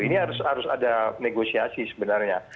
ini harus ada negosiasi sebenarnya